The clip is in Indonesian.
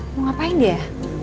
mau ngapain dia